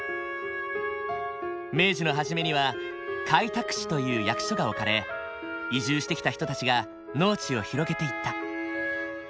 明治の初めには開拓使という役所が置かれ移住してきた人たちが農地を広げていった。